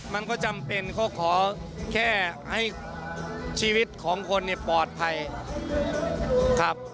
มันก็จำเป็นเขาขอแค่ให้ชีวิตของคนเนี่ยปลอดภัยครับ